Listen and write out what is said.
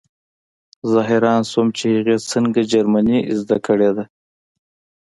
زه حیران شوم چې هغې څنګه جرمني زده کړې ده